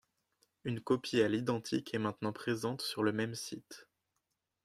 Une copie à l'identique est maintenant présente sur le même site.